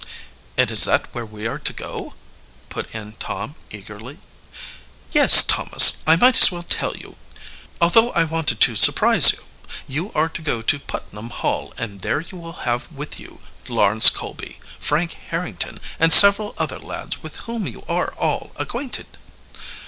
"And is that where we are to go?" put in Tom eagerly. "Yes, Thomas; I might as well tell you, although I wanted to surprise you. You are to go to Putnam Hall, and there you will have with you Lawrence Colby, Frank Harrington, and several other lads with whom you are all acquainted."